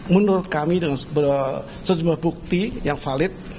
menurut kami dengan sejumlah bukti yang valid